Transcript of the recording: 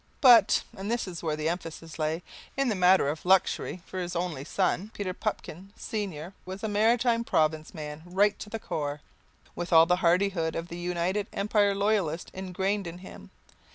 But and this is where the emphasis lay in the matter of luxury for his only son, Peter, Pupkin senior was a Maritime Province man right to the core, with all the hardihood of the United Empire Loyalists ingrained in him.